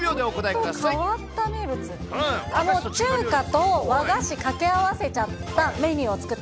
中華と和菓子掛け合わせちゃったメニューを作った。